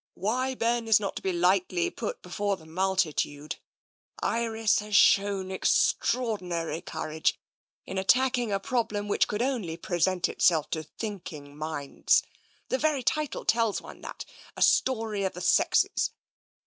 "* Why, Ben !' is not to be lightly put before the multitude. Iris has shown extraordinary courage in attacking a problem which could only present itself to thinking minds. The very title tells one that — a Story of the Sexes.